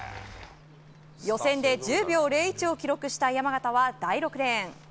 予選で１０秒０１を記録した山縣は、第６レーン。